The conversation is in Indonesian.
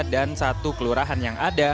dan satu kelurahan yang ada